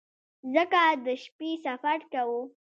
ځکه د شپې سفر کاوه.